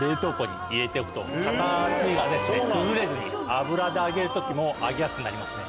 形が崩れずに油で揚げる時も揚げやすくなりますね。